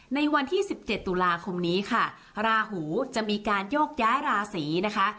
ในวันที่๑๗ตุลาคมนี้ค่ะราหูจะมีการโยกย้ายราศีนะคะ